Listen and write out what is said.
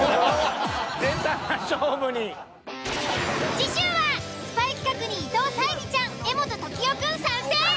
次週はスパイ企画に伊藤沙莉ちゃん柄本時生くん参戦！